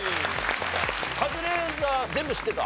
カズレーザー全部知ってた？